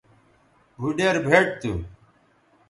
بھوڈیر بھئٹ تھو